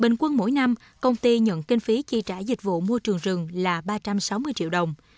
bình quân mỗi năm công ty nhận kinh phí chi trả dịch vụ môi trường rừng là ba trăm sáu mươi triệu đồng